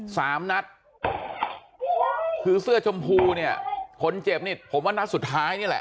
สามนัดคือเสื้อชมพูเนี่ยคนเจ็บนี่ผมว่านัดสุดท้ายนี่แหละ